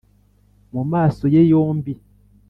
Mu maso ye yombi